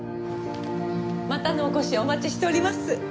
またのお越しをお待ちしております。